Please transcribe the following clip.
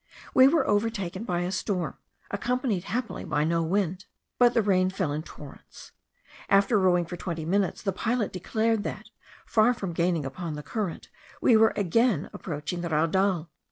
We were overtaken by a storm, accompanied happily by no wind, but the rain fell in torrents. After rowing for twenty minutes, the pilot declared that, far from gaining upon the current, we were again approaching the raudal.